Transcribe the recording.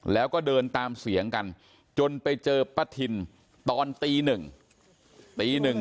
แล้วก็เดินตามเสียงกันจนไปเจอประถิ่นตอนตีหนึ่ง